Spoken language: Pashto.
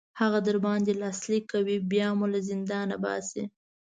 هغه در باندې لاسلیک کوي بیا مو له زندان باسي.